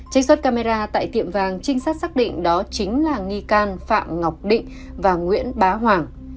trích xuất camera tại tiệm vàng trinh sát xác định đó chính là nghi can phạm ngọc định và nguyễn bá hoàng